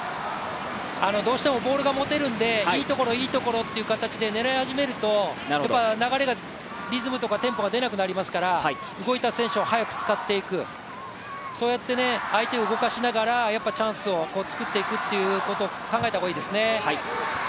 どうしてもボールが持てるんでいいところ、いいところっていう形で狙い始めると流れがリズムとかテンポが出なくなりますから動いた選手を早く使っていく、そうやって相手を動かしながらチャンスを作っていくということを考えた方がいいですね。